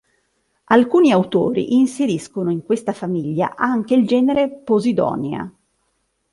Alcuni autori inseriscono in questa famiglia anche il genere "Posidonia".